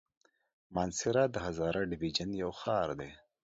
مانسهره د هزاره ډويژن يو ښار دی.